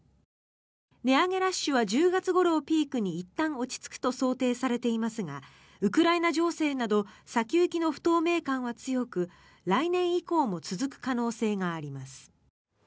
値上げラッシュは１０月ごろをピークにいったん落ち着くと想定されていますがウクライナ情勢など先行きの不透明感は強く来年以降も続く可能性があります。